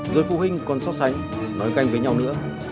rồi phụ huynh còn so sánh nói canh với nhau nữa